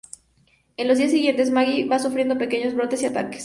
En los días siguientes, Maggie va sufriendo pequeños brotes y ataques.